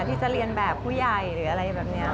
ที่จะเรียนแบบผู้ใหญ่หรืออะไรแบบนี้